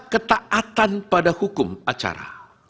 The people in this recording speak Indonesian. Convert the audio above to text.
ketaatan pada hukum acara